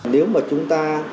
nếu mà chúng ta